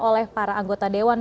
oleh para anggota dewan